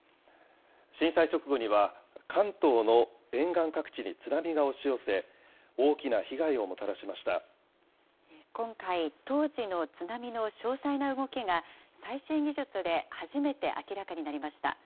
震災直後には、関東の沿岸各地に津波が押し寄せ、今回、当時の津波の詳細な動きが、最新技術で初めて明らかになりました。